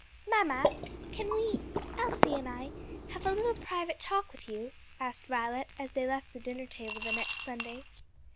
"Mamma, can we Elsie and I have a little private talk with you?" asked Violet as they left the dinner table the next Sunday.